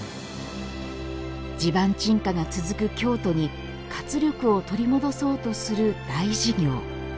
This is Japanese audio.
地盤沈下が続く京都に活力を取り戻そうとする大事業。